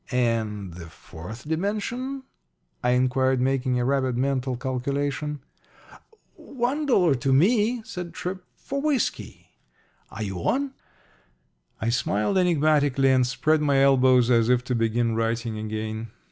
"And the fourth dimension?" I inquired, making a rapid mental calculation. "One dollar to me," said Tripp. "For whiskey. Are you on?" I smiled enigmatically and spread my elbows as if to begin writing again.